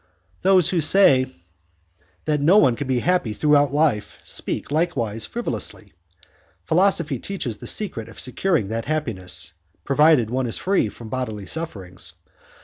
"Those who say that no one can be happy throughout life speak likewise frivolously. Philosophy teaches the secret of securing that happiness, provided one is free from bodily sufferings.